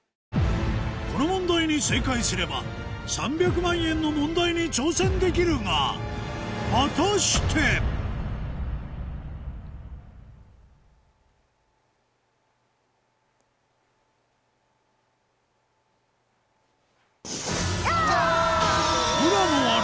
この問題に正解すれば３００万円の問題に挑戦できるが果たして⁉浦野アナ